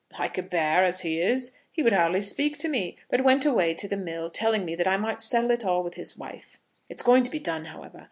"Like a bear, as he is. He would hardly speak to me, but went away into the mill, telling me that I might settle it all with his wife. It's going to be done, however.